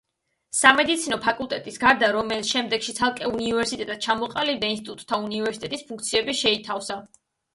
სამედიცინო ფაკულტეტის გარდა, რომელიც შემდეგში ცალკე უნივერსიტეტად ჩამოყალიბდა, ინსტიტუტმა უნივერსიტეტის ფუნქციები შეითავსა.